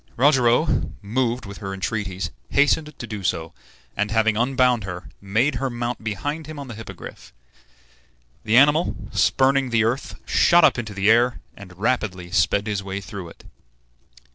Rogero, moved with her entreaties, hastened to do so, and, having unbound her, made her mount behind him on the Hippogriff. The animal, spurning the earth, shot up into the air, and rapidly sped his way through it.